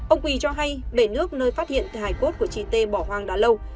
ông quỳ cho hay bể nước nơi phát hiện thì hài cốt của chị tê bỏ hoang đã lâu